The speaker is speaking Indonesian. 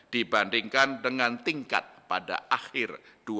dibandingkan dengan tingkat pada akhir dua ribu dua puluh